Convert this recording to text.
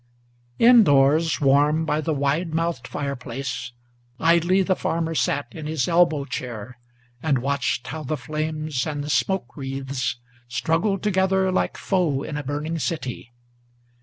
In doors, warm by the wide mouthed fireplace, idly the farmer Sat in his elbow chair; and watched how the flames and the smoke wreaths Struggled together like foe in a burning city.